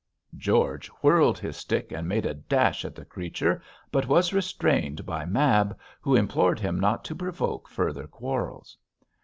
George whirled his stick and made a dash at the creature, but was restrained by Mab, who implored him not to provoke further quarrels.